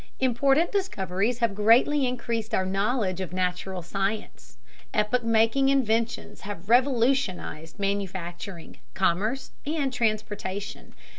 Important discoveries have greatly increased our knowledge of natural science; epoch making inventions have revolutionized manufacturing, commerce and transportation.